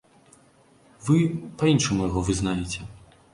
Вы па-іншаму яго вызнаеце.